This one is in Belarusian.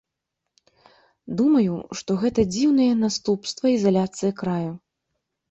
Думаю, што гэта дзіўнае наступства ізаляцыі краю.